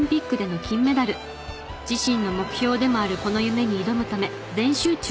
自身の目標でもあるこの夢に挑むため全集中。